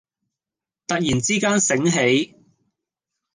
突然之間醒起